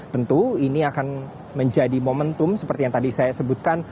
tentu ini akan menjadi momentum seperti yang tadi saya sebutkan